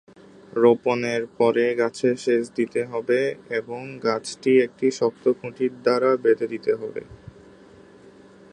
রোপণের পরে গাছে সেচ দিতে হবে এবং গাছটি একটি শক্ত খুঁটি দ্বারা বেঁধে দিতে হবে।